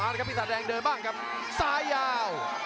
เลยครับปีศาจแดงเดินบ้างครับซ้ายยาว